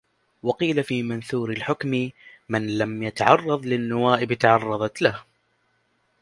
وَقِيلَ فِي مَنْثُورِ الْحِكَمِ مَنْ لَمْ يَتَعَرَّضْ لِلنَّوَائِبِ تَعَرَّضَتْ لَهُ